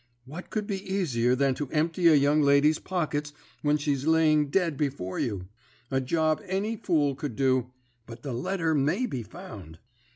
'What could be easier than to empty a young lady's pockets when she's laying dead before you. A job any fool could do. But the letter may be found.'